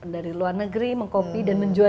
dari luar negeri mengkopi dan menjual